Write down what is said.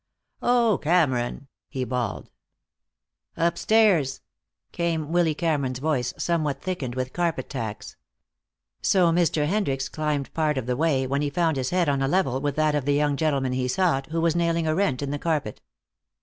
"Oh, Cameron!" he bawled. "Upstairs," came Willy Cameron's voice, somewhat thickened with carpet tacks. So Mr. Hendricks climbed part of the way, when he found his head on a level with that of the young gentleman he sought, who was nailing a rent in the carpet.